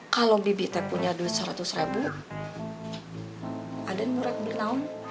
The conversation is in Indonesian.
kalau bibi teh punya duit seratus ribu aden murah beli naon